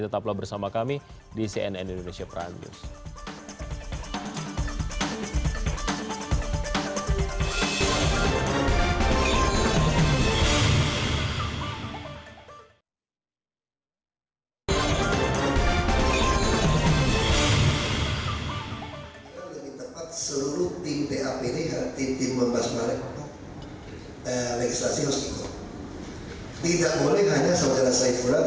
tetaplah bersama kami di cnn indonesia peran news